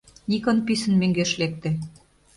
Никон писын мӧҥгеш лекте.